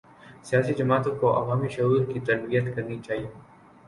سیاسی جماعتوں کو عوامی شعور کی تربیت کرنی چاہیے۔